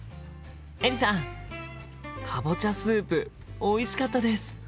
かぼちゃスープおいしかったです。